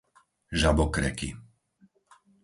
Žabokreky